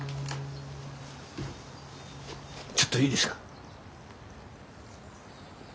ちょっといいですか？